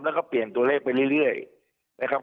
แล้วก็เปลี่ยนตัวเลขไปเรื่อยนะครับ